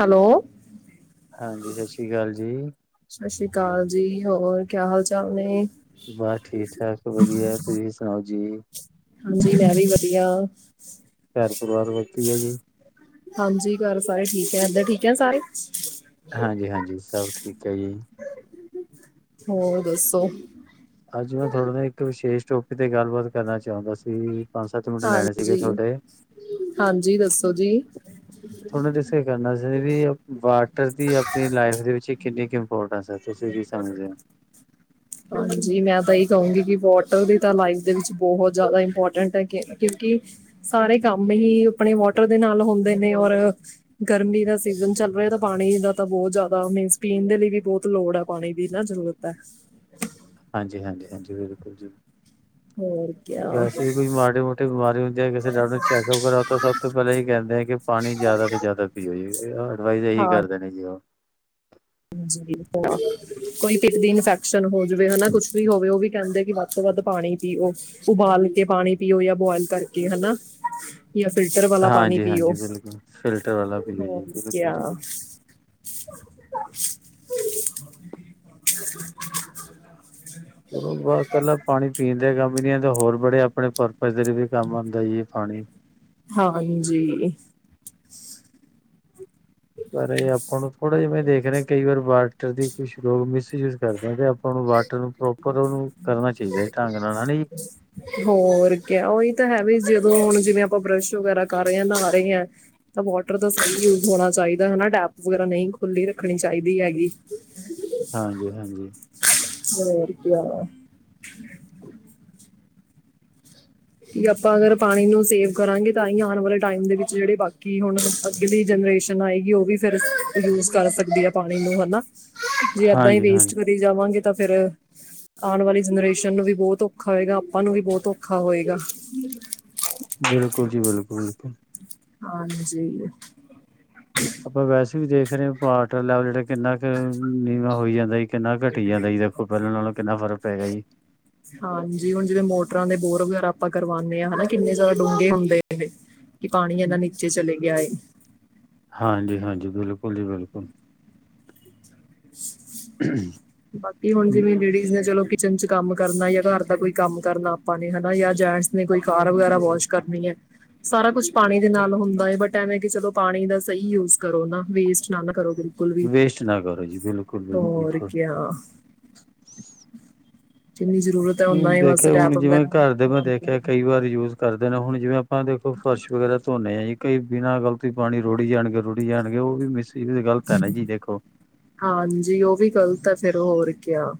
Hello. ਹਾਂਜੀ ਸਤਿ ਸ੍ਰੀ ਅਕਾਲ ਜੀ। ਕਾਲ ਜੀ, ਹੋਰ ਕਿਆ ਹਾਲ ਚਾਲ ਨੇ। ਬਸ ਠੀਕ ਠਾਕ ਵਧੀਆ, ਤੁਸੀਂ ਸੁਣਾਓ ਜੀ। ਹਾਂਜੀ ਮੈਂ ਵੀ ਵਧੀਆ। ਘਰ ਪਰਿਵਾਰ ਵਧਿਆ ਜੀ। ਹਾਂਜੀ ਘਰ ਸਾਰੇ ਠੀਕ ਹੈਏ ਇੰਦਰ ਠੀਕ ਏ ਸਾਰੇ। [inaudible] ਹਾਂਜੀ ਹਾਂਜੀ ਸਭ ਠੀਕ ਹੈ ਜੀ ਹੋਰ ਦੱਸੋ ਅੱਜ ਮੈਂ ਥਹਾਡੇ ਨਾਲ ਇੱਕ ਵਿਸ਼ੇਸ਼ ਟੋਪਿਕ ਤੇ ਗੱਲਬਾਤ ਕਰਨਾ ਚਾਹੁੰਦਾ ਸੀ ਪੰਜ ਸੱਤ ਮਿੰਟ ਲੈਣੇ ਸੀਗੇ ਹਾਂਜੀ ਤੁਹਾਡੇ ਹਾਂਜੀ ਦੱਸੋ ਜੀ ਥੋ ਡਿਸਕਸ ਕਰਨਾ ਸੀ ਵੀ ਵਾਟਰ ਦੀ ਆਪਣੀ ਲਾਈਫ ਦੇ ਵਿੱਚ ਕਿੰਨੀ ਇੰਪੋਟੈਂਟਸ ਐ ਤੁਸੀ ਕੀ ਸਮਝਦੇ ਹੋ। ਹਾਂਜੀ ਮੈਂ ਤਾਂ ਇਹ ਕਹੂੰਗੀ ਕਿ ਵਾਟਰ ਦੀ ਤਾਂ ਲਾਈਫ ਦੇ ਵਿੱਚ ਬਹੁਤ ਜ਼ਿਆਦਾ ਇੰਪੋਰਟੈਂਟ ਹੈ ਕਿਉਂਕਿ ਸਾਰੇ ਕੰਮ ਹੀ ਆਪਣੇ ਵਾਟਰ ਦੇ ਨਾਲ ਹੁੰਦੇ ਨੇ ਔਰ ਗਰਮੀ ਦਾ ਸੀਜਨ ਚੱਲ ਰਿਹਾ ਤਾਂ ਪਾਣੀ ਦਾ ਤਾਂ ਬਹੁਤ ਜ਼ਿਆਦਾ ਮੀਨ ਪੀਣ ਦੇ ਲਈ ਵੀ ਬਹੁਤ ਲੋੜ ਹੈ ਪਾਣੀ ਦੀ ਨਾ ਜ਼ਰੂਰਤ ਹੈ। ਹਾਂਜੀ ਹਾਂਜੀ ਹਾਂਜੀ ਬਿਲਕੁਲ ਜੀ। ਹੋਰ ਕਿਆ ਵੈਸੇ ਵੀ ਕੋਈ ਮਾੜੀ ਮੋਟੀ ਬਿਮਾਰੀ ਹੁੰਦੀਆਂ ਕਿਸੇ ਡਾਕਟਰ ਨੂੰ ਚੈਕਅਪ ਕਰਾਓ ਤਾਂ ਸਭ ਤੋਂ ਪਹਿਲਾਂ ਇਹ ਕਹਿੰਦੇ ਆ ਕਿ ਪਾਣੀ ਜ਼ਿਆਦਾ ਤੋਂ ਜ਼ਿਆਦਾ ਪੀਓ ਜੀ ਅਡਵਾਈਜ਼ ਇਹੀ ਹਾਂ ਕਰਦੇਣੇ ਜੀ ਉਹ। ਕੋਈ ਪਿੱਤ ਦੀ ਇਨਫੈਕਸ਼ਨ ਹੋ ਜਾਵੇ ਹਨਾ ਕੁਛ ਵੀ ਹੋਵੇ ਉਹ ਵੀ ਕਹਿੰਦੇ ਵੱਧ ਤੋਂ ਵੱਧ ਪਾਣੀ ਪੀਓ ਉਬਾਲ ਕੇ ਪਾਣੀ ਪੀਓ ਜਾਂ ਬੋਆਇਲ ਕਰਕੇ ਹਨਾ। ਜਾਂ ਫਿਲਟਰ ਵਾਲਾ ਪਾਣੀ ਹਾਂਜੀ ਪੀਓ ਹਾਂਜੀ ਬਿਲਕੁਲ ਫਿਲਟਰ ਵਾਲਾ ਪੀਓ ਹੋ। ਜੀ ਬਿਲਕੁਲ ਜੀ ਬਿਲਕੁਲ [unintelligible] ਚਲੋ ਵ ਇਕੱਲਾ ਪਾਣੀ ਪੀਣ ਦੇ ਕੰਮ ਹੋਰ ਬੜੇ ਆਪਣੇ ਪਧਰ ਵੀ ਕੰਮ ਆਦਾ ਜੀ ਪਾਣੀ ਹਾਂਜੀ ਪਰ ਆਪਾਂ ਨੂੰ ਥੋੜਾ ਜਿਵੇਂ ਦੇਖ ਰਹੇ ਕਈ ਵਾਰ ਵਾਟਰ ਦੀ ਕੁਛ ਲੋਕ ਮਿਸਯੂਜ ਕਰਦੇ ਤੇ ਆਪਾਂ ਉਹਨੂੰ ਵਾਟਰ ਨੂੰ ਪ੍ਰੋਪਰ ਉਹਨੂੰ ਕਰਨਾ ਚਾਹੀਦਾ ਹੈ ਢੰਗ ਨਾਲ ਹਨਾ ਜੀ ਹੋਰ ਕਿਆ ਉਹੀ ਤਾਂ ਹੈ ਵੀ ਜਦੋਂ ਹੁਣ ਜਿਵੇਂ ਆਪਾਂ ਬਰਸ਼ ਵਗੈਰਾ ਕਰ ਰਹੇ ਹਾਂ ਨਹਾ ਰਹੇ ਹ ਤਾਂ ਵਾਟਰ ਦਾ ਸਹੀ ਯੂਜ ਹੋਣਾ ਚਾਹੀਦਾ ਹਨਾ ਟੈਪ ਵਗੈਰਾ ਨਹੀਂ ਖੁੱਲੀ ਰੱਖਣੀ ਚਾਹੀਦੀ ਹੈਗੀ। ਹਾਂਜੀ ਹਾਂਜੀ। ਹੂੰ ਆ [unintelligible] ਕਿ ਆਪਾਂ ਅਗਰ ਪਾਣੀ ਨੂੰ ਸੇਵ ਕਰਾਂਗੇ ਤਾਂ ਹੀ ਆਉਣ ਵਾਲੇ ਟਾਈਮ ਦੇ ਵਿੱਚ ਜਿਹੜੇ ਬਾਕੀ ਹੁਣ ਅੱਗਲੀ ਜਨਰੇਸ਼ਨ ਆਏਗੀ ਉਹ ਵੀ ਫਿਰ ਯੂਜ ਕਰ ਸਕਦੀ ਆ ਪਾਣੀ ਨੂੰ ਹਨਾ। ਜੇ ਏਦਾਂ ਹੀ ਹਾਂਜੀ ਵੇਸਟ ਹਾਂਜੀ ਕਰੀ ਜਾਵਾਂਗੇ ਤਾਂ ਫੇਰ ਆਉਣ ਵਾਲੀ ਜਨਰੇਸ਼ਨ ਨੂੰ ਵੀ ਬਹੁਤ ਔਖਾ ਹੋਏਗਾ ਆਪਾਂ ਨੂੰ ਵੀ ਬਹੁਤ ਔਖਾ ਹੋਏਗਾ। ਹੂੰ ਬਿਲਕੁਲ ਜੀ। ਬਿਲਕੁਲ- ਬਿਲਕੁਲ ਹਾਂਜੀ ਆਪਾਂ ਵੈਸੇ ਵੀ ਦੇਖ ਰਹੇ ਹ ਪਾਰਟਰ ਲੈਵਲ ਜਿਹੜਾ ਕਿੰਨਾ ਕੁ ਨੀਵਾ ਹੋਈ ਜਾਂਦਾ! ਕਿੰਨਾ ਘਟੀ ਜਾਂਦਾ ਜੀ ਦੇਖੋ ਪਹਿਲਾਂ ਨਾਲੋਂ ਕਿੰਨਾ ਫ਼ਰਕ ਪੈ ਗਿਆ ਜੀ ਹਾਂਜੀ ਹੁਣ ਜਿਵੇਂ ਮੋਟਰਾਂ ਦੇ ਬੋਰ ਵੀ ਆਪਾਂ ਕਰਵਾਣੇ ਹਾਂ ਹਨਾ ਕਿੰਨੇ ਜ਼ਿਆਦਾ ਡੂੰਘੇ ਹੁੰਦੇ। ਕਿ ਪਾਣੀ ਇੰਨਾ ਨੀਚੇ ਚਲੇ ਗਿਆ ਏ ਹਾਂਜੀ-ਹਾਂਜੀ! ਬਿਲਕੁਲ ਜੀ ਬਿਲਕੁਲ [unintelligible] ਬਾਕੀ ਹੁਣ ਜਿਵੇਂ ਲੇਡੀਜ਼ ਨੇ ਚਲੋ ਕਿਚਨ ਚ ਕੰਮ ਕਰਨਾ ਜਾਂ ਘਰ ਦਾ ਕੋਈ ਕੰਮ ਕਰਨਾ ਆਪਾਂ ਨੇ ਹਨਾ ਜਾਂ ਜੈਂਟਸ ਨੇ ਕੋਈ ਕਾਰ ਵਗੈਰਾ ਵਾਸ਼ ਕਰਨੀ ਹੈ ਸਾਰਾ ਕੁਛ ਪਾਣੀ ਦੇ ਨਾਲ ਹੁੰਦਾ ਹੈ ਬਟ ਐਵੇਂ ਕਿ ਚਲੋ ਪਾਣੀ ਦਾ ਸਹੀ ਯੂਜ ਕਰੋ ਨਾ ਵੇਸਟ ਨਾ ਨਾ ਕਰੋ- ਬਿਲਕੁਲ ਵੀ ਾ ਜੀ ਬਿਲਕੁਲ ਹੋਰ ਬਿਲਕੁਲ ਕਿਆ ਜਿੰਨੀ ਜ਼ਰੂਰਤ ਹੈ ਓਨਾ ਨਹੀਂ ਹੀ ਬਸ ਦੇਖਿਆ ਹੁਣ ਟੈਪ ਜਿਵੇਂ ਵਗੈਰਾ ਘਰ ਦੇ ਮੈਂ ਔਨ ਕਰੋ ਦੇਖਿਆ ਕਈ ਵਾਰ ਯੂਜ ਕਰਦੇ ਨੇ ਹੁਣ ਜਿਵੇਂ ਆਪਾਂ ਦੇਖੋ ਫਰਸ਼ ਵਗੈਰਾ ਧੋਨੇ ਹਾਂ ਜੀ ਕਈ ਬਿਨਾਂ ਗ਼ਲਤੀ ਪਾਣੀ ਰੁੜੀ ਜਾਣਗੇ ਰੁੜੀ ਜਾਣਗੇ ਉਹ ਵੀ ਮਿਸ ਤੇ ਗ਼ਲਤ ਹੈ ਨਾ ਜੀ ਦੇਖੋ। ਹਾਂਜੀ ਉਹ ਵੀ ਗ਼ਲਤ ਹੈ ਫੇਰ ਹੋਰ ਕ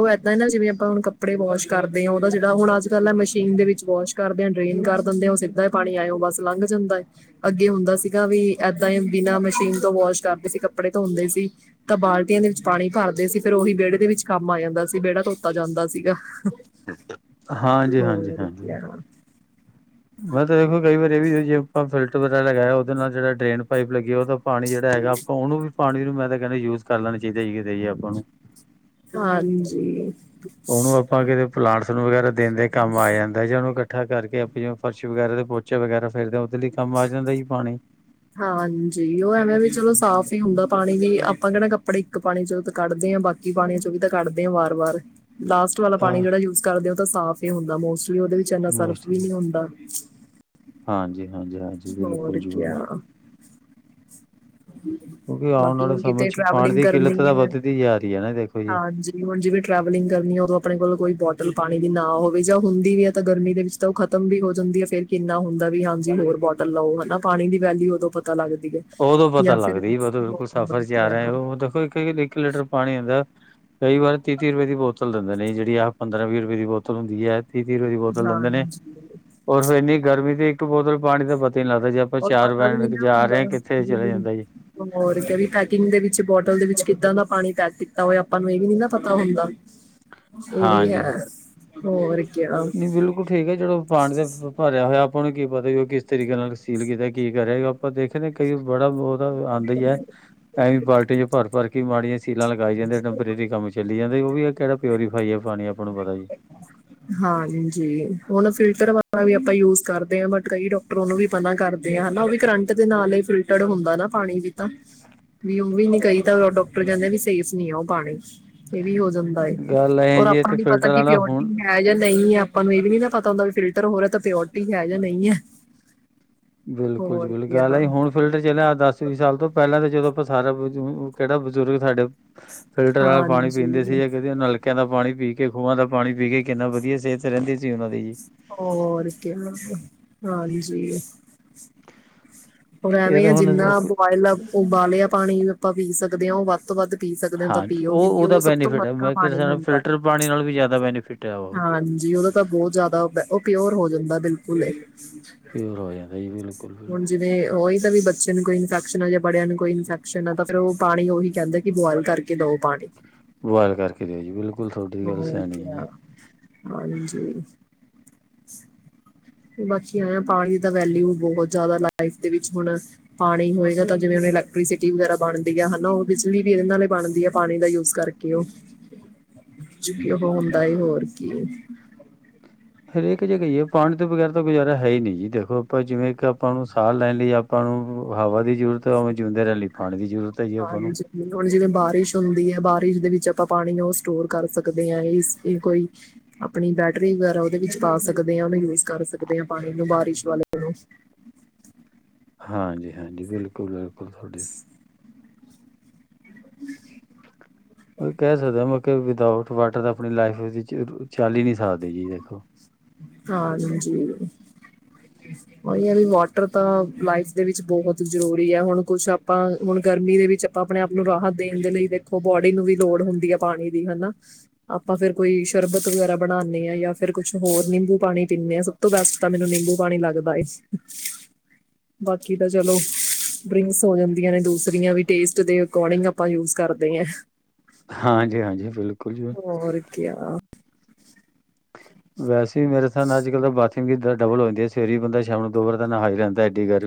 ਉਹ ਏਦਾਂ ਨਾ ਜਿਵੇਂ ਆਪਾਂ ਹੁਣ ਕੱਪੜੇ ਵਾਸ਼ ਕਰਦੇ ਹਾਂ ਉਹਦਾ ਜਿਹੜਾ ਹੁਣ ਅੱਜ ਕੱਲ ਆ ਮਸ਼ੀਨ ਦੇ ਵਿੱਚ ਵਾਸ਼ ਕਰਦੇ ਹਾਂ ਡਰੇਨ ਕਰ ਦਿੰਦੇ ਆ ਉਹ ਸਿੱਧਾ ਹੀ ਪਾਣੀ ਆਇ ਹੋ ਬਸ ਲੰਘ ਜਾਂਦਾ ਏ ਅੱਗੇ ਹੁੰਦਾ ਸੀਗਾ ਵੀ ਇਏਦਾਂ ਹੀ ਬਿਨਾਂ ਮਸ਼ੀਨ ਤੋਂ ਵਾਸ਼ ਕਰਦੇ ਸੀ ਕੱਪੜੇ ਧੋਂਦੇ ਸੀ। ਤਾਂ ਬਾਲਟੀਆਂ ਦੇ ਵਿੱਚ ਪਾਣੀ ਭਰਦੇ ਸੀ ਫੇਿਰ ਉਹੀ ਵਿਹੜੇ ਦੇ ਵਿੱਚ ਕੰਮ ਆ ਜਾਂਦਾ ਸੀ ਵਿਹੜਾ ਧੋਤਾ ਜਾਂਦਾ ਸੀਗਾ। ਹਾਂਜੀ-ਹਾਂਜੀ- ਹੋਰ ਹਾਂਜੀ ਕਿਆ ਮੈਂ ਤਾਂ ਦੇਖੋ ਕਈ ਵਾਰੀ ਇਹ ਵੀ ਜੇ ਆਪਾਂ ਫਿਲਟਰ ਵਰਾ ਲਗਯਾ ਉਹਦੇ ਨਾਲ ਜਿਹੜ ਡਰੇਨ ਪਾਈਪ ਲੱਗੀ। ਜੇ ਉਹ ਦਾ ਪਾਣੀ ਜਿਹੜਾ ਹੈਗਾ ਆਪਾਂ ਉਹਨੂੰ ਵੀ ਪਾਣੀ ਨੂੰ ਮੈਂ ਤੇ ਕਹਿੰਦੇ ਯੂਜ ਕਰ ਲੈਣਾ ਚਾਹੀਦਾ ਇਯੇ ਦਾ ਇਯੇ ਆਪਾਂ ਨੂੰ। ਹਾਂਜੀ। ਉਹਨੂੰ ਆਪਾਂ ਕਿਤੇ ਪਲਾਂਟਸ ਨੂੰ ਵਗੈਰਾ ਦੇਣ ਦੇ ਕੰਮ ਆ ਜਾਂਦਾ ਜਾਂ ਉਹਨੂੰ ਇਕੱਠਾ ਕਰਕੇ ਆਪ ਜਿਵੇਂ ਫਰਸ਼ ਵਗੈਰਾ ਦੇ ਪੋਚੇ ਵਗੈਰਾ ਫੇਰਦੇ ਆਂ। ਦੇ ਚ ਕੰਮ ਆ ਜਾਂਦਾ ਜੀ ਪਾਣੀ। ਹਾਂਜੀ ਉਹ ਐਵੇਂ ਵੀ ਚਲੋ ਸਾਫ਼ ਹੀ ਹੁੰਦਾ ਪਾਣੀ ਵੀ ਆਪਾਂ ਕਹਿੜਾ ਕੱਪੜੇ ਇੱਕ ਪਾਣੀ ਚੋਂ ਤ ਕੱਢਦੇ ਹਾਂ ਬਾਕੀ ਪਾਣੀ ਚੋਂ ਵੀ ਤਾਂ ਕੱਢਦੇ ਹਾਂ ਵਾਰ ਵਾਰ। ਲਾਸਟ ਵਾਲਾ ਹਾਂ ਪਾਣੀ ਜਿਹੜਾ ਯੂਜ ਕਰਦੇ ਹੋ ਤਾਂ ਸਾਫ਼ ਹੁੰਦਾ ਮੋਸਟ ਉਹਦੇ ਵਿੱਚ ਇੰਨਾ ਸਰਫ ਵੀ ਨਹੀ ਹਾਂਜੀ ਹੁੰਦਾ। ਹਾਂਜੀ। ਹਾਂਜੀ ਬਿਲਕੁਲ ਹੋਰ ਜੀ ਬਿਲਕੁਲ ਕਯਾ। ਕਿਉਂਕਿ ਆਉਣ ਬਾਕੀ ਵਾਲੇ ਹੁਣ ਸਮੇਂ ਕਿਤੇ ਚ ਪਾਣੀ ਟ੍ਰੈਵਲਿੰਗ ਦੀ ਕਿੱਲਤ ਕਰਨੀ ਤਾਂ ਹੈ ਵੱਧਦੀ ਜਾ ਰਹੀ ਹੈ ਨਾ ਦੇਖੋ ਜੀ ਹਾਂਜੀ ਹੁਣ ਜਿਵੇਂ ਟ੍ਰੈਵਲਿੰਗ ਕਰਨੀ ਹੈ ਉਦੋਂ ਆਪਣੇ ਕੋਲ ਕੋਈ ਬੋਟ ਬੋਟਲ ਪਾਣੀ ਦੀ ਨਾ ਹੋਵੇ ਜਾਂ ਹੁੰਦੀ ਵੀ ਹੈ ਤਾਂ ਗਰਮੀ ਦੇ ਵਿੱਚ ਤਾਂ ਉਹ ਖਤਮ ਵੀ ਹੋ ਜਾਂਦੀ ਹੈ ਫਿਰ ਕਿੰਨਾ ਹੁੰਦਾ ਵੀ ਹਾਂਜੀ ਹੋਰ ਬੋਟਲ ਲਓ ਹਨਾ ਪਾਣੀ ਦੀ ਵੈਲਿਊ ਉਦੋਂ ਪਤਾ ਤਾ ਲਗਦੀ ਐ। ਉਦੋਂ ਪਤਾ ਲੱਗਦੀ ਓਦੋਂ ਬਿਲਕੁਲ ਸਫ਼ਰ ਚ ਆ ਰਹੇ ਹੋ ਉਹ ਦੇਖੋ ਇੱਕ ਲੀ ਇਕ ਲੀਟਰ ਪਾਣੀ ਹੁੰਦਾ। ਅ ਕਈ ਵਾਰ ਤੀ ਤੀਹ ਰੁਪਏ ਦੀ ਬੋਤਲ। ਦੇਂਦੇ ਨੇ ਜਿਹੜੀ ਆ ਪੰਦਰਾਂ ਵੀਹ ਰੁਪਏ ਦੀ ਬੋਤਲ ਹੁੰਦੀ ਹੈ। ਤੀਹ ਤੀਹ ਰੁਪੇ ਦੀ ਬੋਤਲ ਲੈਂਦੇ ਨੇ ਹਾਂਜੀ ਔਰ ਫਿਰ ਇੰਨੀ ਗਰਮੀ ਦੀ ਇਕ ਬੋਤਲ ਪਾਣੀ ਦੇ ਬਦ ਨੀ ਲੱਗਦਾ ਜੇ ਆਪਾਂ ਚਾਰ ਬੈਂਡ ਲ ਜਾ ਕ ਜਾ ਰਹੇ ਹਾਂ ਕਿ ਹੰ ਹੋਰ ਕੇ ਵੀ ਪੈਕਿੰਗ ਦੇ ਵਿੱਚ ਬੋਟਲ ਦੇ ਵਿੱਚ ਕਿੱਦਾਂ ਦਾ ਪਾਣੀ ਪੈਕ ਕੀਤਾ ਹੋਇ ਆਪਾਂ ਨੂੰ ਇਹ ਵੀ ਨੀ ਨਾ ਪਤਾ ਹੁੰਦਾ। ਇਹ ਵੀ ਹਾਂਜੀ ਹੈ। ਹੋਰ ਕਿਆ ਨਹੀਂ ਬਿਲਕੁਲ ਠੀਕ ਹੈ ਜਿਹਦੋਂ ਪਾਣੀ ਦੇ ਭਰਿਆ ਹੋਇਆ ਆਪਾਂ ਨੂੰ ਕੀ ਪਤਾ ਕਿ ਉਹ ਕਿਸ ਤਰੀਕੇ ਨਾਲ ਸੀਲ ਕੀਤਾ ਕੀ ਕਰਯਾ ਆਪਾਂ ਦੇਖੇਦੇ ਕਈ ਬੜਾ ਬਹੁਤ ਅ ਆਉਂਦੀ ਹੈ ਐਵੇਂ ਈ ਬਾਲਟੀ ਚ ਭਰ ਭਰ ਮਾੜੀ ਸੀਲਾ ਲਗਾਈ ਜਾਂਦੇ ਟੈਂਪਰੇਰੀ ਕੰਮ ਚਲੀ ਜਾਂਦਾ। ਤੇ ਉਹ ਵੀ ਹੈ ਕਿਹੜਾ ਪਿਓਰੀਫਾਈ ਆ ਪਾਣੀ ਆਪਾਂ ਨੂੰ ਪਤਾ ਈ। ਹਾਂ ਜੀ ਹੁਣ ਫਿਲਟਰ ਵਾ ਵੀ ਆਪਾਂ ਯੂਜ਼ ਕਰਦੇ ਆ ਬਟ ਕਈ ਡਾਕਟਰ ਉਹਨੂੰ ਵੀ ਪਤਾ ਕਰਦੇ ਆ ਹਨਾ ਉਹ ਵੀ ਕਰੰਟ ਦੇ ਨਾਲ ਹੀ ਫਿਲਟਰਡ ਹੁੰਦਾ ਨਾ ਪਾਣੀ ਵੀ ਤਾਂ ਵੀ ਉਹ ਵੀ ਨ ਕਈ ਤਾਂ ਡਾਕਟਰ ਕਹਿੰਦੇ ਵੀ ਸੇਫ ਨੀ ਆ ਉਹ ਪਾਣੀ ਇੱਥੇ ਵੀ ਹੋ ਜਾਂਦਾ ਏ ਗੱਲ ਐ ਔਰ ਜੀ ਇਹ ਤੇ ਆਪਣੀ ਫਿਲਟਰ ਦੀ ਵਾਲਾ ਪਿਓਰਟੀ ਹੁਣ ਹੈ ਜਾਂ ਨਹੀਂ ਹੈ। ਆਪਾਂ ਨੂੰ ਵੀ ਨੀ ਪਤਾ ਹੁੰਦਾ ਫਿਰ ਹੋ ਰਿਹਾ ਤਾਂ ਪਿਓਰਟੀ ਹੈ ।ਜਾਂ ਨਹੀਂ ਹੈ। ਬਿਲਕੁਲ ਜੀ ਹੋਰ ਬੁਲ ਗੱਲ ਕਿਆ ਆਈ ਹੁਣ ਫਿਲਟਰ ਚਲਿਆ ਦਸ ਵੀਹ ਸਾਲ ਤੋਂ ਪਹਿਲਾਂ ਤਾਂ ਜਦੋਂ ਸਾਰਾ ਕਿਹੜਾ ਬਜ਼ੁਰਗ ਸਾਡੇ ਫਿਲਟਰ ਵਾਲਾ ਪਾਣੀ ਪੀਂਦੇ ਹਾਂਜੀ, ਸੀ ਕਹਿੰਦੀ ਨਲਕਿਆਂ ਦਾ ਪਾਣੀ ਪੀ ਕਿ ਖੂਹਾਂ ਦਾ ਪਾਣੀ ਪੀ ਕੇ ਕਿੰਨਾ ਵਧੀਆ ਸਿਹਤ ਰਹਿੰਦੀ [inaudible] ਸੀ ਉਹਨਾਂ ਦੀ ਜੀ। [inaudible] ਹੋਰ ਇਹ ਐਵੇਂ ਤਾਂ ਆ ਹੁਣ ਜਿੰਨਾ ਉਬਾਲ ਲ ਉਬਾਲਿਆ ਪਾਣੀ ਆਪਾਂ ਪੀ ਸਕਦੇ ਹਾਂ ਉਹ ਵੱਧ ਤੋਂ ਵੱਧ ਪੀ ਸਕਦੇ ਹੋ ਤਾਂ ਹਾਂਜੀ ਪੀਓ ਕਿਉਂਕਿ ਉਹਦਾ ਉਹ ਸਭ ਤੋਂ ਬੈਨੀਫਿਟ ਹੈ ਹਲਕਾ ਮੈਂ ਪਾਣੀ ਕਿਹਾ ਹੁੰਦਾ ਵੀ ਫਿਲਟਰ ਪਾਣੀ ਨਾਲ ਵੀ ਜ਼ਿਆਦਾ ਬੈਨੀਫਿਟ ਹੈ ਉਹ। ਹਾਂਜੀ ਉਹਦਾ ਤਾਂ ਬਹੁਤ ਜ਼ਿਆਦਾ ਪਿਓਰ ਹੋ ਜਾਂਦਾ ਬਿਲਕੁਲ ਹੈ ਪਿਓਰ ਹੋ ਜਾਂਦਾ ਜੀ ਬਿਲਕੁਲ-ਬਿਲਕੁਲ ਯੂਜ ਉਹੀ ਤਾਂ ਵੀ ਬੱਚੇ ਨੂੰ ਕੋਈ ਇਨਫੈਕਸ਼ਨ ਹੋਜੇ ਬੜਿਆ ਨੂੰ ਕੋਈ ਇਨਫੈਕਸ਼ਨ ਆ ਤਾਂ ਫਿਰ ਉਹ ਪਾਣੀ ਉਹੀ ਕਹਿੰਦੇ ਕਿ ਬੋਆਇਲ ਕਰਕੇ ਦਓ ਪਾਣੀ। ਬੁਆਇਲ ਕਰਕੇ ਦਿਓ ਜੀ। ਬਿਲਕੁਲ ਤੁਹਾਡੀ ਗੱਲ ਹੋਰ ਸਿਆਣੀ ਹੈ ਜੀ। ਕਿਆ ਹਾਂਜੀ ਬਾਕੀ ਆ ਆ ਪਾਣੀ ਦਾ ਵੈਲਿਊ ਬਹੁਤ ਜ਼ਿਆਦਾ ਲਾਈਫ ਦੇ ਵਿੱਚ ਹੁਣ ਪਾਣੀ ਹੋਏਗਾ ਤਾਂ ਜਿਵੇਂ ਹੁਣ ਇਲੈਕਟ੍ਰੀਸਿਟੀ ਵਗੈਰਾ ਬਣਦੀ ਆ ਹਨਾ ਉਹ ਬਿਜਲੀ ਵੀ ਇਹਦੇ ਨਾਲ ਬਣਦੀ ਹੈ ਪਾਣੀ ਦਾ ਯੂਜ ਕਰਕੇ ਉਹ ਉਹ ਹੁੰਦਾ ਹੋਰ ਕੀ ਹਰੇਕ ਜੇ ਕਹੀਏ ਪਾਣੀ ਤੋਂ ਬਗੈਰ ਤਾਂ ਗੁਜ਼ਾਰਾ ਹੈ ਹੀ ਨਹੀਂ ਜੀ ਦੇਖੋ ਆਪਾਂ ਜਿਵੇਂ ਕਿ ਆਪਾਂ ਨੂੰ ਸਾਹ ਲੈਣ ਲਈ ਆਪਾਂ ਨੂੰ ਹਵਾ ਦੀ ਜ਼ਰੂਰਤ ਵੇਂ ਜਿਉਂਦੇ ਰਹਿਣ ਲਈ ਪਾਣੀ ਦੀ ਜ਼ਰੂਰਤ ਹੈ ਜੀ ਆਪਾਂ ਨੂੰ ਹਾਂਜੀ। ਹੁਣ ਜਿਵੇਂ ਬਾਰਿਸ਼ ਹੁੰਦੀ ਹੈ। ਬਾਰਿਸ਼ ਦੇ ਵਿੱਚ ਆਪਾਂ ਪਾਣੀ ਉਹ ਸਟੋਰ ਕਰ ਸਕਦੇ ਹਾਂ ਕੋਈ ਆਪਣੀ ਬੈਟਰੀ ਵਗੈਰਾ ਉਹਦੇ ਵਿੱਚ ਪਾ ਸਕਦੇ ਹਾਂ ਉਹਨੂੰ ਯੂਜ ਕਰ ਸਕਦੇ ਹਾਂ ਪਾਣੀ ਨੂੰ ਬਾਰਿਸ਼ ਵਾਲੇ ਨੂੰ ਹਾਂਜੀ, ਹਾਂਜੀ। ਬਿਲਕੁਲ, ਬਿਲਕੁਲ ਤੁਹਾਡੀ ਮੈਂ ਕਹਿ ਸਕਦੇ ਮਤਲਬ ਕੇ ਵਿਦਊਟ ਵਾਟਰ ਤਾਂ ਆਪਣੀ ਲਾਈਫ ਚੱਲ ਹੀ ਨਹੀਂ ਸਕ ਦੇ ਜੀ ਦੇਖੋ ਹਾਂਜੀ ਓਹੀ ਹੈ ਵੀ ਵਾਟਰ ਤਾਂ ਲਾਈਫ ਦੇ ਵਿੱਚ ਬਹੁਤ ਜ਼ਰੂਰੀ ਹੈ ਹੁਣ ਕੁਛ ਆਪਾਂ ਹੁਣ ਗਰਮੀ ਦੇ ਵਿੱਚ ਆਪਾਂ ਆਪਣੇ ਆਪ ਨੂੰ ਰਾਹਤ ਦੇਣ ਦੇ ਲਈ ਦੇਖੋ ਬੋਡੀ ਨੂੰ ਵੀ ਲੋੜ ਹੁੰਦੀ ਹੈ ਪਾਣੀ ਦੀ ਹਨਾ ਆਪਾਂ ਫਿਰ ਕੋਈ ਸ਼ਰਬਤ ਵਗੈਰਾ ਬਣਾਨੇ ਆ ਜਾਂ ਫਿਰ ਕੁਛ ਹੋਰ ਨਿੰਬੂ ਪਾਣੀ ਪੀਣੇ ਆ ਸਭ ਤੋਂ ਬੈਸਟ ਤਾਂ ਮੈਨੂੰ ਨਿੰਬੂ ਪਾਣੀ ਲੱਗਦਾ ਹਾਂ ਬਾਕੀ ਤਾਂ ਚਲੋ ਡਰਿੰਕਸ ਹੋ ਜਾਂਦੀਆਂ ਨੇ ਦੂਸਰੀਆਂ ਵੀ ਟੇਸਟ ਦੇ ਅਕੋਡਿੰਗ ਆਪਾਂ ਯੂਜ ਕਰਦੇ ਹ ਹਾਂਜੀ, ਹਾਂਜੀ। ਬਿਲਕੁਲ ਜੀ ਹੋਰ ਕਿਆ ਵੈਸੇ ਮੇਰੇ ਹਿਸਾਬ ਨਾਲ ਅੱਜ ਕੱਲ ਬੱਚ ਕੇ ਡਬਲ ਹੋ ਜਾਂਦੀ ਏ ਸਵੇਰ ਈ ਬੰਦਾ ਸ਼ਾਮ ਨੂੰ ਦੋ ਬਾਰ ਦਾ ਨਹਾ ਈ ਲੈਂਦਾ ਐਡੀ ਗੱਲ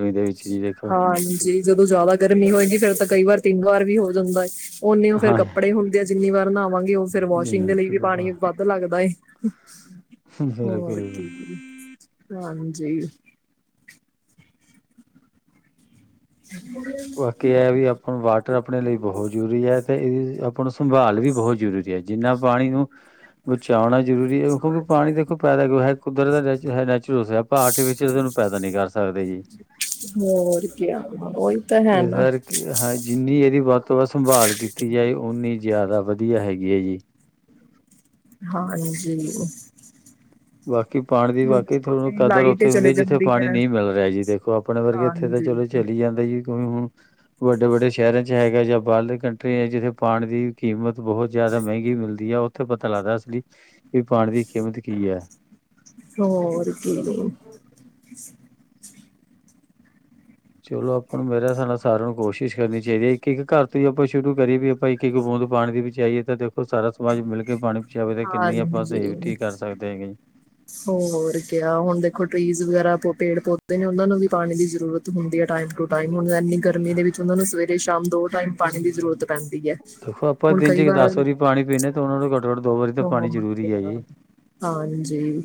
ਹਾਂਜੀ ਜਦੋਂ ਜ਼ਿਆਦਾ ਗਰਮੀ ਹੋਏਗੀ ਫੇਰ ਤਾਂ- ਕਈ ਵਾਰ ਤਿੰਨ ਵਾਰ ਵੀ ਹੋ ਜਾਂਦਾ। ਓਨੇ ਉਹ ਫਿਰ ਹਾਂ ਕੱਪੜੇ ਹੁੰਦੇ ਜਿੰਨੀ ਵਾਰ ਨਵਾਂਗੇ। ਉਹ ਫੇਰ ਜੀ ਵਾਸ਼ਿੰਗ ਦੇ ਲਈ ਵੀ ਪਾਣੀ ਵੱਧ ਲੱਗਦਾ ਏ। ਹੋਰ ਬਿਲਕੁਲ। ਕੀ ਹਾਂਜੀ ਬਾਕੀ ਐ ਵੀ ਆਪਾਂ ਵਾਟਰ ਆਪਣੇ ਲਈ ਬਹੁਤ ਜ਼ਰੂਰੀ ਹੈ। ਤੇ ਇਹਦੀ ਆਪਾਂ ਨੂੰ ਸੰਭਾਲ ਵੀ ਬਹੁਤ ਜ਼ਰੂਰੀ [unintelligible] ਜਿੰਨਾ ਪਾਣੀ ਨੂੰ ਬਚਾਉਣਾ- ਜ਼ਰੂਰੀ ਹੈ ਕਿਉਂਕਿ ਪਾਣੀ ਦੇਖੋ ਪੈਦਾ [inaudible] ਹੈ। ਕੁਦਰਤ ਨੈਚਲ ਨੈਚਰੁਲ ਆਪਾਂ ਆਰਟੀਫਿਸ਼ਲ ਏਨੂੰ ਪੈਦਾ ਨੀ ਕਰ ਸਕਦੇ ਜੀ। ਹੋਰ ਕਿਆ। ਉਹੀ ਤਾਂ ਹੈ ਇਸ ਨਾ ਕਰਕੇ ਹਾਂ ਜਿੰਨੀ ਇਹਦੀ ਵੱਧ ਤੋਂ ਵੱਧ ਸੰਭਾਲ ਕੀਤੀ ਜਾਏ ਓਨੀ ਜ਼ਿਆਦਾ ਵਧ- ਵਧੀਆ ਹੈਗੀ ਹੈ ਜੀ। ਹਾਂਜੀ ਬਾ ਕੀ ਪਾਣੀ ਦੀ ਹੁਣ ਵਾਕਈ ਦੇਖੋ ਥਾਨੂੰ ਜੀ ਕਦਰ ਲਾਈਟ ਉੱਥੇ ਹੁੰਦੀ ਚਲੇ ਐ ਜਿੱਥੇ ਜਾਂਦੀ ਪਾਣੀ ਹੈ ਨਹੀਂ ਮਿਲ ਰਿਹਾ। ਜੀ ਦੇਖੋ ਆਪਣੇ ਵਰਗੇ ਇੱਥੇ ਤਾਂ ਹਾਂਜੀ ਚਲੋ ਚਲੀ ਜਾਂਦਾ ਜੀ ਕਿਉ ਵ- ਵੱਡੇ -ਵੱਡੇ ਸ਼ਹਿਰਾਂ 'ਚ ਹੈਗਾ ਜਾਂ ਬਾਹਰਲੇ ਕੰਟਰੀਆਂ, ਜਿੱਥੇ ਪਾਣੀ ਦੀ ਕੀਮਤ ਬਹੁਤ ਜ਼ਿਆਦਾ ਮਹਿੰਗੀ ਮਿਲਦੀ ਆ, ਉੱਥੇ ਪਤਾ ਲੱਗਦਾ ਅਸਲੀ ਵੀ ਪਾਣੀ ਦੀ ਕੀਮਤ ਕਈ, ਹੋਰ ਕੀ [unintelligible] ਚਲੋ ਆਪਾਂ ਨੂੰ ਮੇਰਾ ਹਿਸਾਬ ਨਾਲ ਸਾਰਿਆਂ ਨੂੰ ਕੋਸ਼ਿਸ਼ ਕਰਨੀ ਚਾਹੀਦੀ ਐ ਇੱਕ ਇੱਕ ਘਰ ਤੋਂ ਈ ਆਪਾਂ ਸ਼ੁਰੂ ਕਰੀਏ ਵੀ ਆਪਾਂ ਇੱਕ ਇੱਕ ਬੂੰਦ ਪਾਣੀ ਦੀ ਬਚਾਈਏ, ਤਾਂ ਦੇਖੋ ਸਾਰਾ ਸਮਾਜ ਮਿਲ ਕੇ ਪਾਣੀ ਬਚਾਵੇ ਤਾਂ ਕਿੰਨੀ ਆਪਾਂ ਸੇਫਟੀ ਹਾਂਜੀ ਕਰ ਸਕਦੇ ਹੈਗੇ ਜੀ। ਹੋਰ ਕਿਆ ਹੁਣ ਦੇਖੋ ਟ੍ਰੀਜ਼ ਵਗੈਰਾ ਪੇੜ ਪੌਦ ਨੇ ਉਨਾਂ ਨੂੰ ਵੀ ਪਾਣੀ ਦੀ ਜ਼ਰੂਰਤ ਹੁੰਦੀ ਆ ਟਾਈਮ ਟੂ ਟਾਈਮ, ਹੁਣ ਏਨੀ ਗਰਮੀ ਦੇ ਵਿੱਚ ਉਹਨਾਂ ਨੂੰ ਸਵੇਰੇ ਸ਼ਾਮ ਦੋ ਟਾਈਮ ਪਾਣੀ ਦੀ ਜ਼ਰੂਰਤ ਪੈਂਦੀ ਹੈ ਦੇਖੋ ਆਪਾਂ ਹੁਣ ਦਿਨ ਚ ਕਈ ਇੱਕ ਵਾਰ ਦਸ ਵਾਰੀ ਪਾਣੀ ਪੀਣੇ ਤੇ ਉਨਾਂ ਨੂੰ ਘੱਟੋ ਘੱਟ ਦੋ ਵਾਰੀ ਤਾਂ ਪਾਣੀ ਜ਼ਰੂਰੀ ਹੈ ਜੀ। [unintelligible] ਹਾਂਜੀ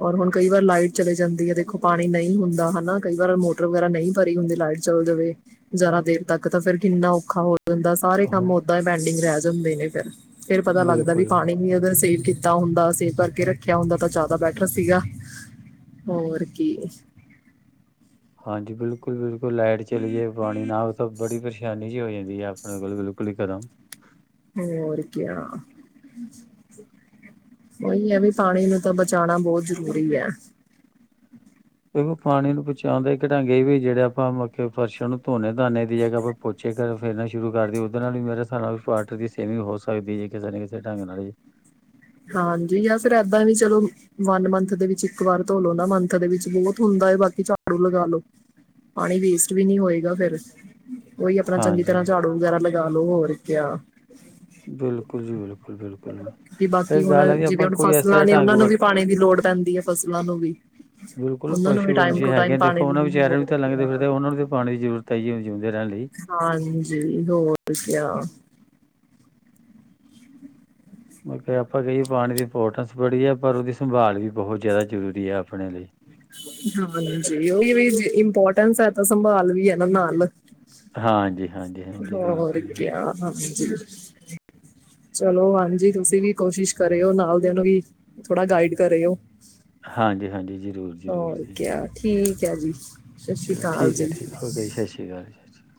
ਔਰ ਹੁਣ ਕਈ ਵਾਰ ਲਾਈਟ ਚਲੇ ਜਾਂਦੀ ਏ, ਦੇਖੋ ਪਾਣੀ ਨਹੀਂ ਹੁੰਦਾ ਹਣਾ ਕਈ ਵਾਰ ਮੋਟਰ ਵਗੈਰਾ ਨੀ ਭਰੀ ਹੁੰਦੀ ਲਾਈਟ ਚੱਲ ਜਾਵੇ ਜ਼ਿਆਦਾ ਦੇਰ ਤੱਕ ਤਾਂ ਫੇਰ ਕਿੰਨਾ ਔਖਾ ਹੋ ਜਾਂਦਾ ਸਾਰੇ ਕੰਮ ਓਦਾਂ ਈ ਪੈਂਡਿੰਗ ਰਹਿ ਜਾਂਦੇ ਨੇ। [unintelligible] ਫੇਰ ਪਤਾ ਲੱਗਦਾ ਵੀ, ਬਿਲਕੁਲ ਪਾਣੀ ਵੀ ਅਗਰ ਸੇਵ ਕੀਤ ਕੀਤਾ ਹੁੰਦਾ ਸੇਵ ਕਰਕੇ ਰੱਖਿਆ ਹੁੰਦਾ ਤਾਂ ਜ਼ਿਆਦਾ ਬੈਟਰ ਸੀਗਾ ਹੋਰ ਕੀ। ਹਾਂਜੀ ਬਿਲਕੁਲ, ਬਿਲਕੁਲ ਲਾਈਟ ਚਲੀ ਜਾਏ ਪਾਣੀ ਨਾ ਤਾਂ ਬੜੀ ਪਰੇਸ਼ਾਨੀ ਚ ਹੋ ਜਾਂਦੀ ਹੈ ਆਪਣੇ ਕੋਲ ਬਿਲਕੁਲ ਹੀ ਖਤਮ। ਹੋਰ ਕਿਆ ਉਹੀ ਹੈ ਵੀ ਪਾਣੀ ਨੂੰ ਤਾਂ ਬਚਾਣਾ ਬਹੁਤ ਜ਼ਰੂਰੀ ਹੈ। ਪਾਣੀ ਨੂੰ ਪਹੁੰਚਾਣ ਦਾ ਇੱਕ ਢੰਗ ਵੀ ਜਿਹੜੇ ਆਪਾਂ ਫਰਸਾ਼ ਨੂੰ ਧੋਨੇ ਧਾਨੇ ਦੀ ਜਗ੍ਹਾ ਆਪਾਂ ਪੋਚੇ ਫੇਰਨਾ ਸ਼ੁਰੂ ਕਰ ਦੀ ਦੀਐ ਉਹਦੇ ਨਾਲ ਵੀ ਮੇਰੇ ਹਿਸਾਬ ਨਾਲ ਵਾਟਰ ਦੀ ਸੇਵਿੰਗ ਹੋ ਸਕਦੀ ਜੀ ਕਿਸੇ ਨਾ ਕਿਸੇ ਢੰਗ ਨਾਲ। ਹਾਂਜੀ ਜਾ ਫਿਰ ਏਦਾਂ ਵੀ ਚਲੋ ਵਨ ਮੰਥ ਦੇ ਵਿੱਚ ਇੱਕ ਵਾਰ ਧੋ ਲੋ ਨਾ ਮੰਥ ਦੇ ਵਿੱਚ ਬਹੁਤ ਹੁੰਦਾ ਹੈ ਬਾਕੀ ਝਾੜੂ ਲਗਾ ਲੋ, ਪਾਣੀ ਵੇਸਟ ਵੀ ਨਹੀਂ ਹੋਏਗਾ ਫਿਰ। ਔਹੀ ਆਪਣਾ ਚੰਗੀ ਹਾਂਜੀ ਤਰ੍ਹਾਂ ਝਾੜੂ ਵਗੈਰਾ ਲਗਾ ਲੋ ਹੋਰ ਕਯਾ ਬਿਲਕੁਲ ਜੀ, ਬਿਲਕੁਲ, ਬਿਲਕੁਲ। ਕਿ ਬਾਕੀ ਇਹ ਹੁਣ ਗੱਲ ਹੈ ਵੀ ਜਿਵੇਂ ਆਪਾਂ ਹੁਣ ਕੋਈ ਫਸਲਾਂ ਐਸਾ ਨੇ ਢੰਗ ਉਹਨਾ ਨੂੰ ਵੀ ਵਰਤ ਪਾਣੀ ਦੀ ਲੋੜ ਪੈਂਦੀ ਹੈ ਫਸਲਾਂ ਨੂੰ ਵੀ ਬਿਲਕੁਲ ਉਹਨਾ ਨੂੰ ਵੀ ਪਸ਼ੂ ਟਾਈਮ ਪੰਛੀ ਟੂ ਹੈਗੇ ਟਾਈਮ ਆ, ਪਾਣੀ ਦੇਖੋ ਉਹਨਾਂ ਦੀ ਵਿਚਾਰਿਆਂ ਲੋੜ ਨੂੰ ਤਾਂ ਹੂੰਦੀ ਲੰਘਦੇ ਆ। ਫਿਰਦੇ ਉਹਨਾਂ ਨੂੰ ਤਾਂ ਪਾਣੀ ਦੀ ਜ਼ਰੂਰਤ ਹੈ ਜੀ ਜਿਉਂਦੇ ਰਹਿਣ ਲਈ ਹਾਂਜੀ ਹੋਰ ਕਿਆ, ਮਤ ਆਪਾਂ ਕਹੀਏ ਪਾਣੀ ਦੀ ਇੰਪੋਰਟੈਂਸ ਬੜੀ ਹੈ ਪਰ ਉਹਦੀ ਸੰਭਾਲ ਵੀ ਬਹੁਤ ਜ਼ਿਆਦਾ ਜ਼ਰੂਰੀ ਹੈ ਆਪਣੇ ਲਈ। ਹਾਂਜੀ ਔਈਯੋ ਇੰਪੋਰਟ ਤਿੰਨ ਸਹਿਤਾ ਸੰਭਾਲ ਵੀ ਹੈ ਨਾ ਨਾਲ ਹਾਂਜੀ, ਹਾਂਜੀ, ਹਾਂਜੀ ਹੋ ਹੋਰ ਬਿਲਕੁਲ, ਬਿਲਕੁਲ ਕਿਆ [unintelligible] ਚਲੋ ਹਾਂਜੀ ਤੁਸੀਂ ਵੀ ਕੋਸ਼ਿਸ਼ ਕਰੇ ਔ ਨਾਲ ਦੀ ਨੂੰ ਵੀ ਥੋੜਾ ਗਾਈਡ ਕਰੇ ਔ। ਹਾਂਜੀ, ਹਾਂਜੀ ਜੀ। ਜ਼ਰੂਰ, ਜ਼ਰੂਰ ਹੋਰ ਕਿਆ ਠੀਕ ਹੈ ਜੀ ਸਤਿ ਸ਼੍ਰੀ ਚਲੋ ਅਕਾਲ ਠੀਕ ਹੈ, ਜੀ ਠੀਕ ਓ ਜੀ ਸਤਿ ਸ਼੍ਰੀ ਅਕਾਲ ਜ ਸਤਿ ਸ਼੍ਰੀ ਅਕਾਲ।